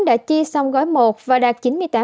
đã chi xong gói một và đạt chín mươi tám